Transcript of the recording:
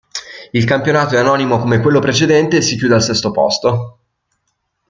Il campionato è anonimo come quello precedente e si chiude al sesto posto.